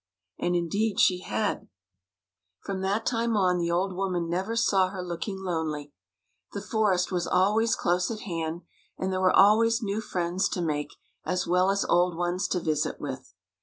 And indeed she had. From that time the old woman never saw her looking lonely. The forest was always close at hand, and there were always new friends to make, as well as old ones to visit with.